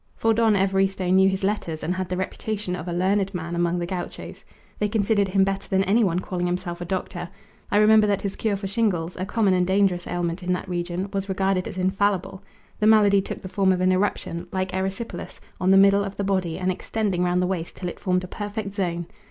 For Don Evaristo knew his letters and had the reputation of a learned man among the gauchos. They considered him better than any one calling himself a doctor. I remember that his cure for shingles, a common and dangerous ailment in that region, was regarded as infallible. The malady took the form of an eruption, like erysipelas, on the middle of the body and extending round the waist till it formed a perfect zone.